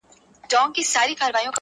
هغه کيسې د تباهيو، سوځېدلو کړلې،